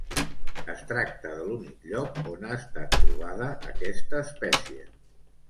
Es tracta de l'únic lloc on ha estat trobada aquesta espècie.